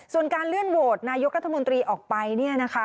ส่วนการเลื่อนโหวตนายกกัธมนตรีออกไป